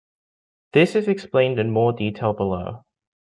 This is explained in more detail below.